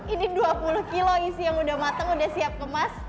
ini dua puluh kilo isi yang udah matang udah siap kemas